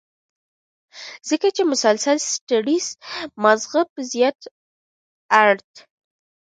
ځکه چې مسلسل سټرېس مازغۀ پۀ زيات الرټ